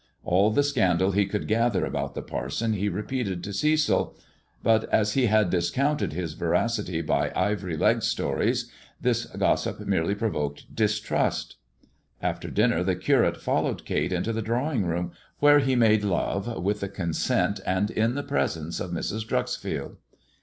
All the scandal he couldf ather about 342 TUE IVORY LEG AND THE DIAMONDS the parson he repeated to Cecil, but as he had discounted liis veracity by ivory leg stories, this gossip merely provoked distrust. After dinner the Curate followed Kate into the drawing room, where he made love, with the consent and in the presence of Mrs. Dreuxfield.